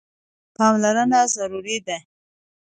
پاملرنه ضروري ده.